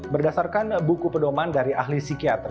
berdasarkan buku pedoman dari ahli psikiater